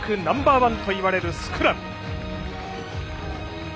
ナンバーワンといわれるスクラム。